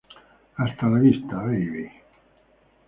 Hasta la vista, baby!